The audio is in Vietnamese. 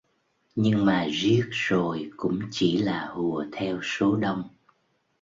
Nhưng mà riết rồi cũng chỉ là hùa theo số đông